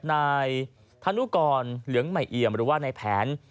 ในธนกรเหลืองไหม่เอยมหรือว่าในแผน